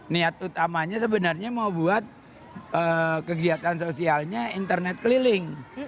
niat utamanya sebenarnya mau buat kegiatan sosialnya internet keliling